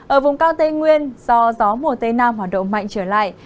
ở vùng cao tây nguyên do gió mùa tây nam hoạt động mạnh trở lại